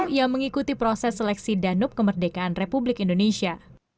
yang mengikuti proses seleksi danup kemerdekaan republik indonesia